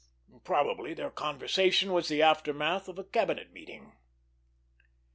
Probably their conversation was the aftermath of a cabinet meeting.